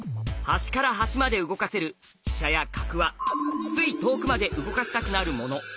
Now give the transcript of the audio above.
端から端まで動かせる飛車や角はつい遠くまで動かしたくなるもの。